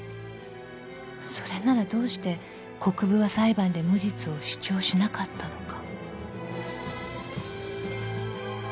［それならどうして国府は裁判で無実を主張しなかったのか］